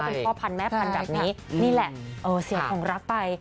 เป็นพ่อพันธุแม่พันธุ์แบบนี้นี่แหละเสียของรักไป